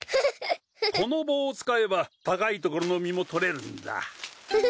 この棒を使えば高いところの実も採れるんだ。